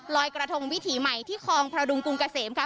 กระทงวิถีใหม่ที่คลองพระดุงกรุงเกษมค่ะ